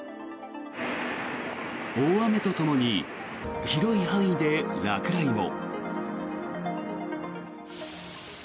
大雨とともに広い範囲で落雷も。